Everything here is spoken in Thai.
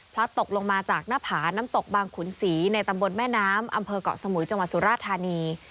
ตกลงมาจากหน้าผาน้ำตกบางขุนศรีในตำบลแม่น้ำอำเภอกเกาะสมุยจังหวัดสุราธานี